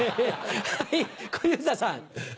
はい小遊三さん。